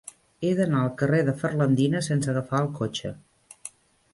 He d'anar al carrer de Ferlandina sense agafar el cotxe.